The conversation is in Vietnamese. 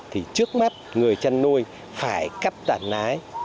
thì trước mắt người chăn nuôi phải cắt đàn nái